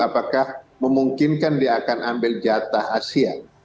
apakah memungkinkan dia akan ambil jatah asia